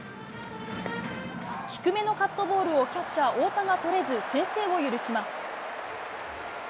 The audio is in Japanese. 低めのカットボールをキャッチャー、太田が捕れず、先制を許します。